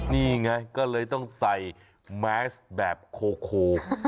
นี่ไงก็เลยต้องใส่แมสแบบโค